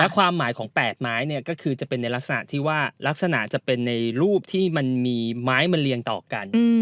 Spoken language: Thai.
ความหมายของ๘ไม้ก็คือจะเป็นในลักษณะที่ว่าลักษณะจะเป็นในรูปที่มันมีไม้มาเรียงต่อกัน